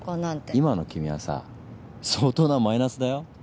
今の君はさ相当なマイナスだよ。